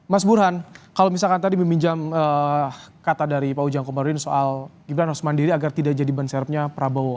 mas burhan kalau misalkan tadi meminjam kata dari pak ujang komarudin soal gibran harus mandiri agar tidak jadi benserpnya prabowo